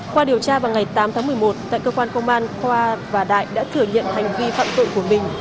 qua điều tra vào ngày tám tháng một mươi một tại cơ quan công an khoa và đại đã thừa nhận hành vi phạm tội của mình